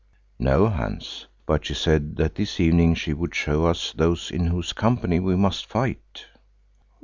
"No, Hans, but she said that this evening she would show us those in whose company we must fight."